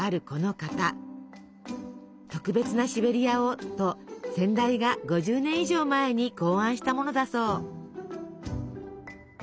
「特別なシベリアを」と先代が５０年以上前に考案したものだそう。